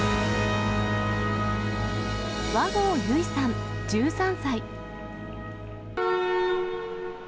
和合由依さん１３歳。